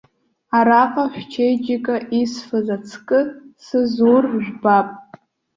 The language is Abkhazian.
Араҟа шәчеиџьыка исфаз ацкы сызур жәбап.